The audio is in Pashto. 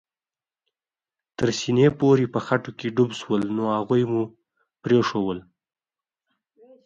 تر سېنې پورې په خټو کې ډوب شول، نو هغوی مو پرېښوول.